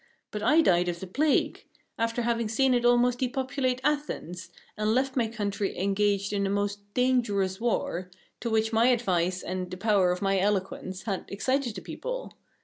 But I died of the plague, after having seen it almost depopulate Athens, and left my country engaged in a most dangerous war, to which my advice and the power of my eloquence had excited the people.